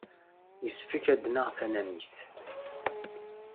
Yessefk ad naɣ tanamit.